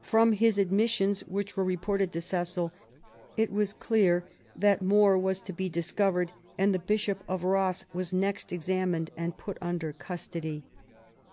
From his admissions, which were reported to Cecil, it was clear that more was to be discovered, and the Bishop of Ross was next examined and put under custody.